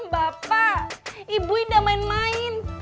bapak ibu indah main main